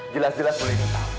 jelas jelas bu lenny tahu